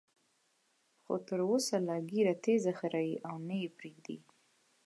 خو تر اوسه لا ږیره تېزه خرېي او نه یې پریږدي.